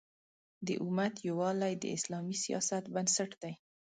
د امت یووالی د اسلامي سیاست بنسټ دی.